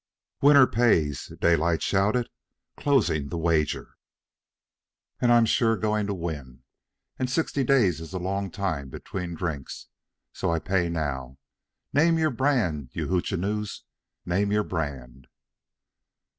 "Winner pays!" Daylight shouted, closing the wager. "And I'm sure going to win, and sixty days is a long time between drinks, so I pay now. Name your brand, you hoochinoos! Name your brand!"